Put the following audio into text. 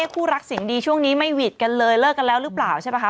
คู่รักเสียงดีช่วงนี้ไม่หวีดกันเลยเลิกกันแล้วหรือเปล่าใช่ป่ะค